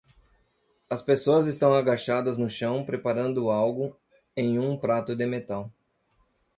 As pessoas estão agachadas no chão preparando algo em um prato de metal.